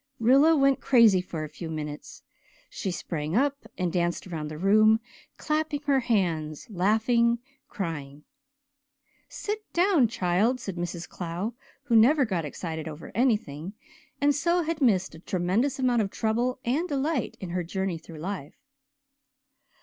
Rilla went crazy for a few minutes. She sprang up and danced around the room, clapping her hands, laughing, crying. "Sit down, child," said Mrs. Clow, who never got excited over anything, and so had missed a tremendous amount of trouble and delight in her journey through life.